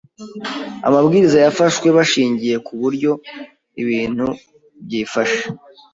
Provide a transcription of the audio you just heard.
amabwiriza yafashwe bashingiye ku buryo ibintu byifashe